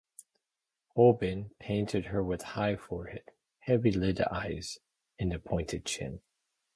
Holbein painted her with high forehead, heavy-lidded eyes and a pointed chin.